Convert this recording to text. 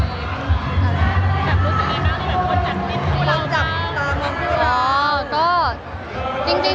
วินมั่งรู้สึกอะไรมากถือเป็นคนจับจิต